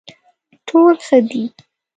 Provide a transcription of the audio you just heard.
ټول ښه دي.